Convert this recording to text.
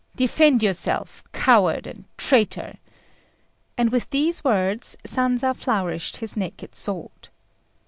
Defend yourself, coward and traitor!" and with these words Sanza flourished his naked sword.